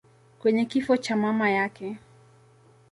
kwenye kifo cha mama yake.